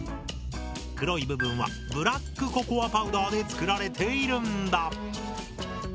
黒い部分はブラックココアパウダーで作られているんだ！